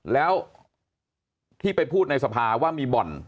แล้วที่ไปพูดในสภาว่ามีบ่อน